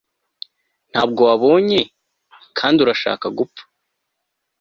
ntabwo wabonye, kandi urashaka gupfa! ..